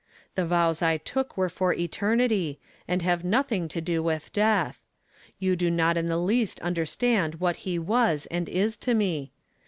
Tlie vows I took were for eternity, and have nothing to do with death. \ou do not in the least understand what he was and is to me.